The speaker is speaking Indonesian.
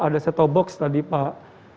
ada seto box tadi pak